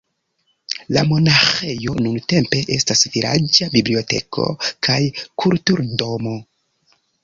La monaĥejo nuntempe estas vilaĝa biblioteko kaj kulturdomo.